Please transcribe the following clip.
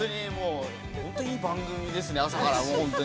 ◆本当にいい番組ですね、朝から本当に。